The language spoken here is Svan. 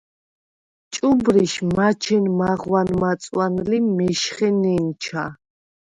ჭუბრიშ მაჩენ მაღვან-მაწვან ლი მეშხე ნენჩა.